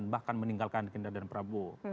bahkan meninggalkan gerindra dan prabowo